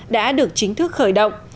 đã được chính thức khởi động